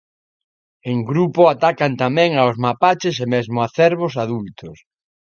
En grupo atacan tamén aos mapaches e mesmo a cervos adultos.